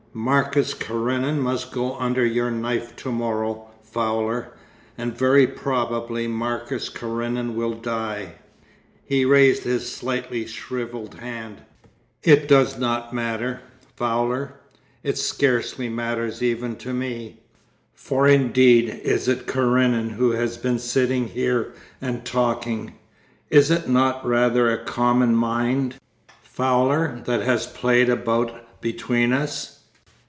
Marcus Karenin must go under your knife to morrow, Fowler, and very probably Marcus Karenin will die.' He raised his slightly shrivelled hand. 'It does not matter, Fowler. It scarcely matters even to me. For indeed is it Karenin who has been sitting here and talking; is it not rather a common mind, Fowler, that has played about between us?